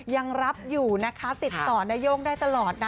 ยังรับอยู่นะคะติดต่อนโย่งได้ตลอดนะ